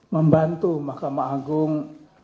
membantu mahkamah agung